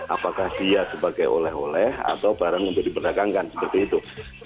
apakah dia sebagai oleh oleh atau barang untuk diperdagangkan seperti itu